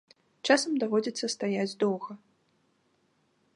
Часам даводзіцца стаяць доўга.